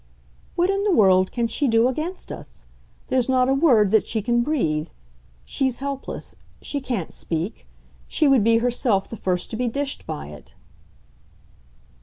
"What in the world can she do against us? There's not a word that she can breathe. She's helpless; she can't speak; she would be herself the first to be dished by it."